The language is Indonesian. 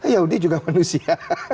yahudi juga manusia